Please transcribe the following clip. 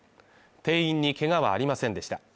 店員にけがはありませんでした。